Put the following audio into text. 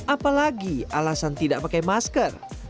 apalagi alasan tidak pakai masker